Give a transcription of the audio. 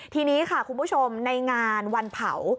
ทีนี้ค่ะคุณผู้ชมในงานวันเผา